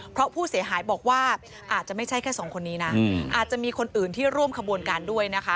เพราะผู้เสียหายบอกว่าอาจจะไม่ใช่แค่สองคนนี้นะอาจจะมีคนอื่นที่ร่วมขบวนการด้วยนะคะ